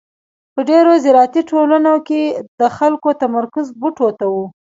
په ډېرو زراعتي ټولنو کې د خلکو تمرکز بوټو ته و.